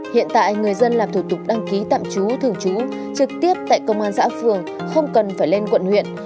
hiện tại người dân làm thủ tục đăng ký tạm trú thường trú trực tiếp tại công an xã phường không cần phải lên quận huyện